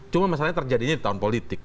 cuma masalahnya terjadinya di tahun politik